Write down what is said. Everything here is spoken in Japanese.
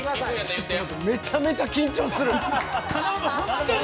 めちゃめちゃ緊張する。